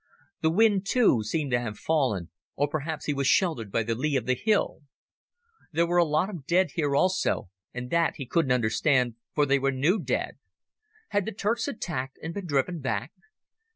The wind, too, seemed to have fallen, or perhaps he was sheltered by the lee of the hill. There were a lot of dead here also, and that he couldn't understand, for they were new dead. Had the Turks attacked and been driven back?